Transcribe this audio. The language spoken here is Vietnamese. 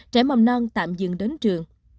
trẻ mầm non tạm dừng đến trường